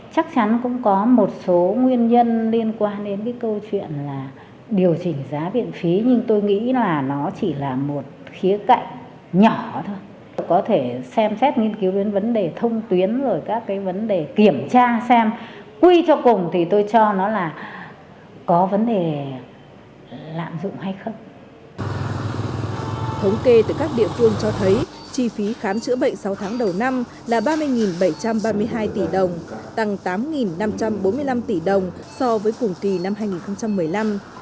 thống kê từ các địa phương cho thấy chi phí khám chữa bệnh sáu tháng đầu năm là ba mươi bảy trăm ba mươi hai tỷ đồng tăng tám năm trăm bốn mươi năm tỷ đồng so với cùng kỳ năm hai nghìn một mươi năm